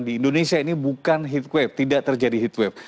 di indonesia ini bukan heat wave tidak terjadi heat wave